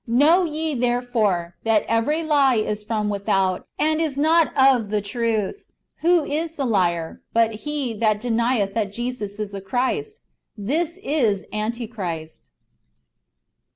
Know ye therefore, that every lie is from without, and is not of the truth. Who is a liar, but he that denieth that Jesus is the Christ ? This is Antichrist."